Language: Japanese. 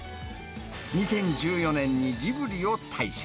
２０１４年にジブリを退社。